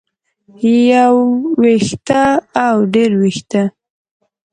يو وېښتۀ او ډېر وېښتۀ